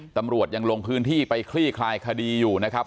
ตำรวจยังลงพื้นที่ไปคลี่คลายคดีอยู่นะครับ